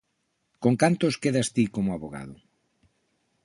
Con cantos quedas ti como avogado?